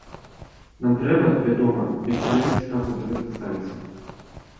Нам трэба, вядома, без усялякіх страхаў да гэтага ставіцца.